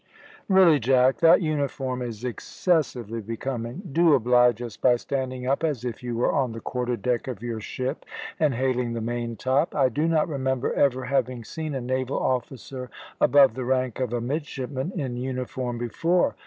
"Really, Jack, that uniform is excessively becoming. Do oblige us by standing up as if you were on the quarter deck of your ship and hailing the main top. I do not remember ever having seen a naval officer above the rank of a midshipman in uniform before.